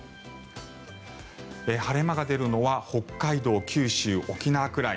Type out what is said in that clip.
晴れ間が出るのは北海道、九州、沖縄くらい。